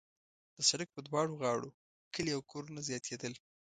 د سړک پر دواړو غاړو کلي او کورونه زیاتېدل.